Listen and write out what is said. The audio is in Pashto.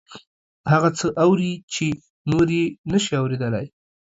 هغه څه اوري چې نور یې نشي اوریدلی